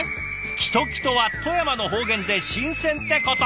「きときと」は富山の方言で新鮮ってこと！